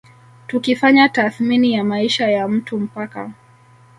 Tukifanya tathmini ya maisha ya mtu mpaka